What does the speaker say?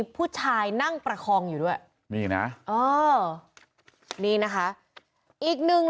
ผู้ชายนั่งประคองอยู่ด้วยนี่นะนี่นะคะอีกหนึ่ง